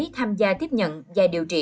tham gia tiếp nhận và điều trị